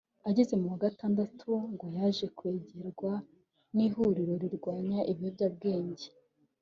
Ageze mu wa gatandatu ngo yaje kwegerwa n’ihuriro rirwanya ibiyobyabwenge